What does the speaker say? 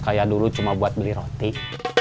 kalau masih putus